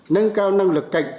nâng cao năng lực cạnh tranh